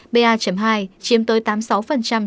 pa hai chiếm tới tám mươi sáu của omicron